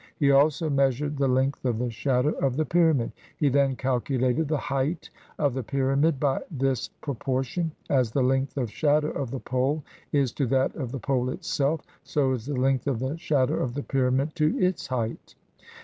He also measured the length of the shadow of the pyramid. He then calculated the height of the pyramid by this pro portion : as the length of shadow of the pole is to that of the pole itself, so is the length of the shadow of the pyra mid to its height.